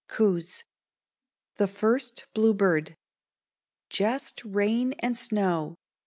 Coues. THE FIRST BLUEBIRD. Jest rain and snow!